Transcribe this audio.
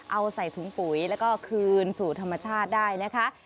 เอาใส่ถุงปุ๋ยแล้วก็คืนสู่ธรรมชาติได้นะคะ